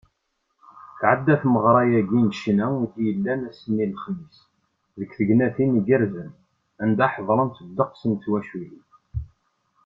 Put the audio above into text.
Tɛedda tmeɣra-agi n cca i d-yellan ass-nni n lexmis deg tegnatin igerrzen, anda ḥeḍrent ddeqs n twaculin.